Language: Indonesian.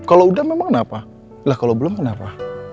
kalau udah memang kenapa